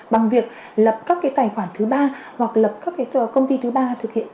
bằng việc lập các tài khoản thứ ba hoặc lập các công ty thứ ba